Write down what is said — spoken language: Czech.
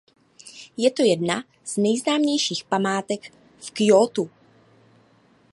Je to jedna z nejznámějších památek v Kjótu.